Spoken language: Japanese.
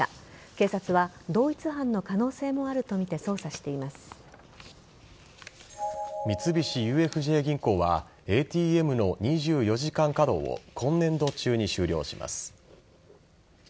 警察は同一犯の可能性もあるとみて三菱ＵＦＪ銀行はＡＴＭの２４時間稼働を今年度中に終了します。